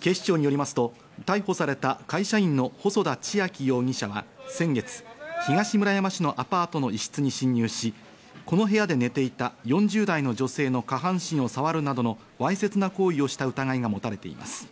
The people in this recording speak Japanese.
警視庁によりますと逮捕された会社員の細田千暁容疑者は、先月、東村山市のアパートの一室に侵入し、この部屋で寝ていた４０代の女性の下半身を触るなどのわいせつな行為をした疑いがもたれています。